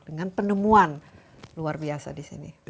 dengan penemuan luar biasa disini